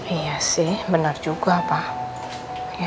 iya sih benar juga pak